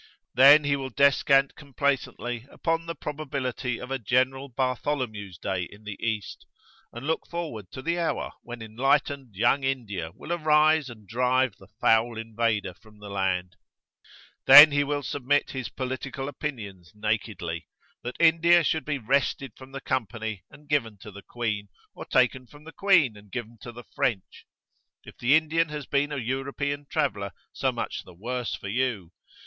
Then he will descant complacently upon the probability of a general Bartholomew's Day in the East, and look forward to the hour when enlightened Young India will arise and drive the "foul invader" from the land.[FN#12] Then he will submit his political opinions nakedly, that India should be wrested from the Company and given to the Queen, or taken from the Queen and given to the French. If the Indian has been a European traveller, so much the worse for you.